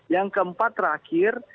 yang keempat terakhir